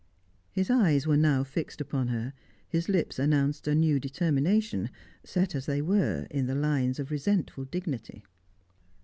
His eyes were now fixed upon her; his lips announced a new determination, set as they were in the lines of resentful dignity.